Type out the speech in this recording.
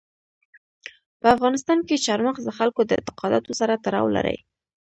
په افغانستان کې چار مغز د خلکو د اعتقاداتو سره تړاو لري.